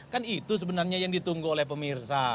kan itu sebenarnya yang ditunggu oleh pemirsa